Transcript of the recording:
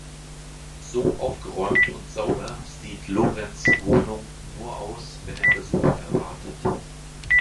So aufgeräumt und sauber sieht Lorenz Wohnung nur aus, wenn er Besuch erwartet.